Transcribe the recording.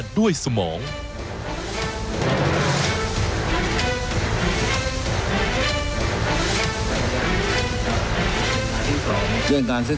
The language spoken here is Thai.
ไม่หวนอื่นกับทางยานเดียว